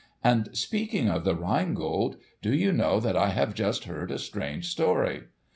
And, speaking of the Rhine Gold, do you know that I have just heard a strange story.